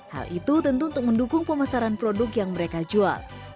hal itu tentu untuk mendukung pemasaran produk yang mereka jual